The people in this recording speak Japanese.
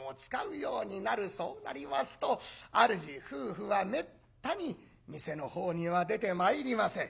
そうなりますと主夫婦はめったに店のほうには出てまいりません。